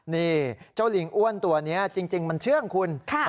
นี่เจ้าลิงอ้วนตัวนี้จริงมันเชื่องคุณ